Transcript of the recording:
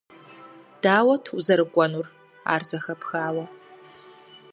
Дауэт узэрыкӀуэнур, ар зэхэпхауэ?..